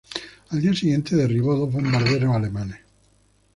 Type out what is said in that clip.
Al día siguiente derribó dos bombarderos alemanes.